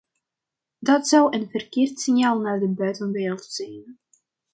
Dat zou een verkeerd signaal naar de buitenwereld zijn.